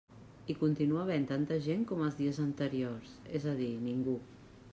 Hi continua havent tanta gent com els dies anteriors, és a dir ningú.